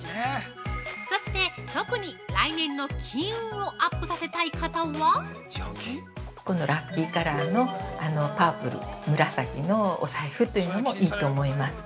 ◆そして、特に来年の金運をアップさせたい方は、◆このラッキーカラーのパープル、紫のお財布というのもいいと思います。